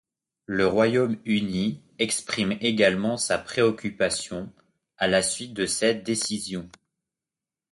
Le Royaume-Uni exprime également sa préoccupation à la suite de cette décision.